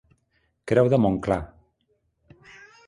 Creu de Montclar.